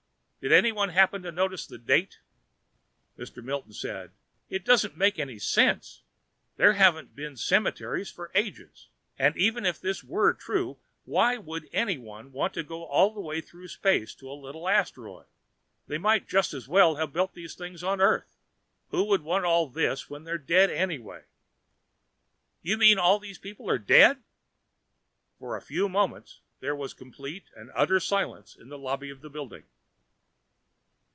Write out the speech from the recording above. "Did anyone happen to notice the date?" Mr. Milton said, "It doesn't make any sense! There haven't been cemeteries for ages. And even if this were true, why should anyone want to go all the way through space to a little asteroid? They might just as well have built these things on Earth." "Who would want all this when they're dead, anyway?" "You mean all these people are dead?" For a few moments there was complete and utter silence in the lobby of the building.